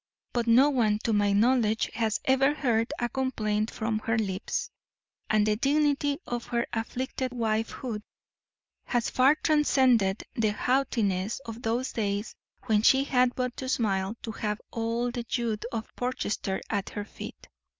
But no one, to my knowledge, has ever heard a complaint from her lips; and the dignity of her afflicted wife hood has far transcended the haughtiness of those days when she had but to smile to have all the youth of Portchester at her feet."